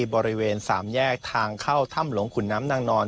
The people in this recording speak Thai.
บริเวณสามแยกทางเข้าถ้ำหลวงขุนน้ำนางนอน